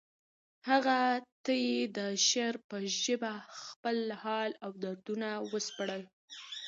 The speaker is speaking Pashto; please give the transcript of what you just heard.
هغه ته یې د شعر په ژبه خپل حال او دردونه وسپړل